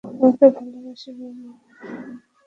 তোমাকে ভালোবাসি, মামা!